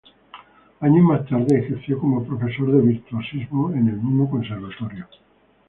Años más tarde ejerció como profesor de virtuosismo en el mismo conservatorio.